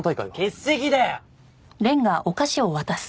欠席だよ！